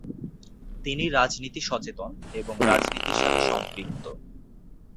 তিনি রাজনীতি সচেতন এবং রাজনীতির সাথে সম্পৃক্ত।